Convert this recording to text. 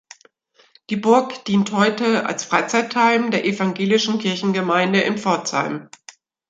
Die Burg dient heute als Freizeitheim der evangelischen Kirchengemeinde in Pforzheim.